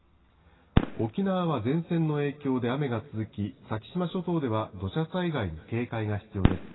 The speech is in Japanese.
沖縄は前線の影響で雨が続き先島諸島では土砂災害に警戒が必要です。